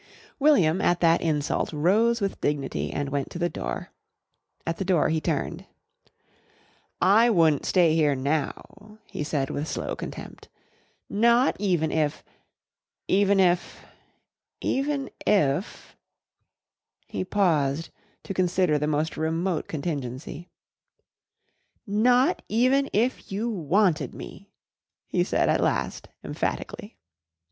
William at that insult rose with dignity and went to the door. At the door he turned. "I wun't stay here now," he said with slow contempt, "not even if even if even if," he paused to consider the most remote contingency, "not even if you wanted me," he said at last emphatically.